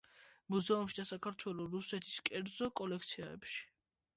მუზეუმში და საქართველო-რუსეთის კერძო კოლექციებში.